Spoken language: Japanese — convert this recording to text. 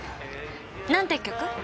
何て曲？